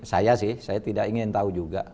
saya sih saya tidak ingin tahu juga